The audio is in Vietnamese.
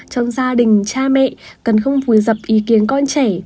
trong gia đình cha mẹ cần không vùi dập ý kiến con trẻ